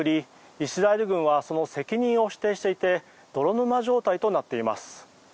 イスラエル軍はその責任を否定していて泥沼状態となっています。